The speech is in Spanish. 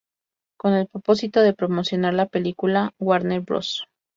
Con el propósito de promocionar la película, Warner Bros.